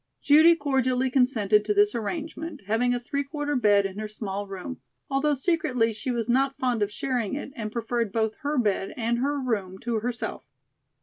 Judy cordially consented to this arrangement, having a three quarter bed in her small room, although secretly she was not fond of sharing it and preferred both her bed and her room to herself.